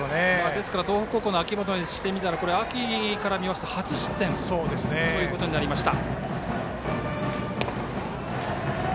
ですから東北高校の秋本からしてみれば秋から見ますと初失点となりました。